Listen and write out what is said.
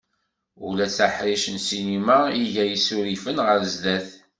Ula d aḥric n ssinima iga isurifen ɣer sdat.